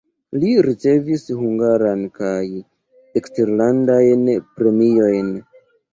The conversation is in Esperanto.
Li ricevis hungaran kaj eksterlandajn premiojn.